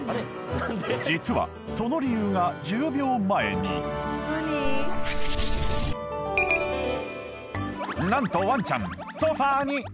実はその理由が１０秒前に何とワンちゃん